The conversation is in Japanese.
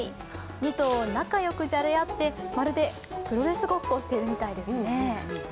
２頭仲良くじゃれ合ってまるでプロレスごっこしてるみたいですね。